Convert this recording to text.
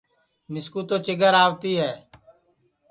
مِسکُو تو چیگر آوتی ہے